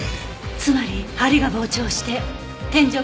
つまり梁が膨張して天井から離れた。